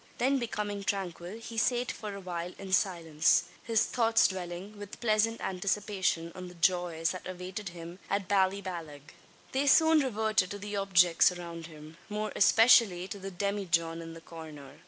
Then becoming tranquil he sate for awhile in silence his thoughts dwelling with pleasant anticipation on the joys that awaited him at Ballyballagh. They soon reverted to the objects around him more especially to the demijohn in the corner.